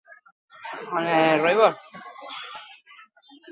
Urtarrilean izan zen, eta beste kargu batzuk egotzita.